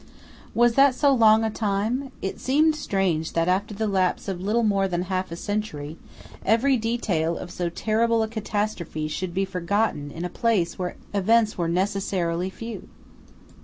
Was that so long a time? It seemed strange that, after the lapse of little more than half a century, every detail of so terrible a catastrophe should be forgotten in a place where events were necessarily few.